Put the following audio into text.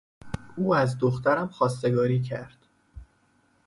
او از دخترم خواستگاری کرد.